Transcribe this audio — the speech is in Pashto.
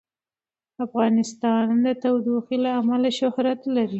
افغانستان د تودوخه له امله شهرت لري.